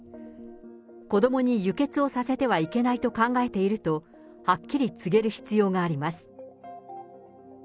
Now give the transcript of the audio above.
子どもに輸血をさせてはいけないと考えていると、はっきり告げる必要があります。